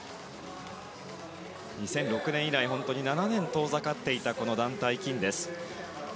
２００６年以来７年遠ざかっていた団体金です。